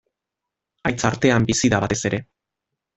Haitz artean bizi da batez ere.